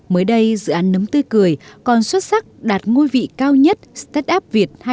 mới đây dự án nấm tươi cười còn xuất sắc đạt ngôi vị cao nhất startup việt hai nghìn một mươi bảy do vn express tổ chức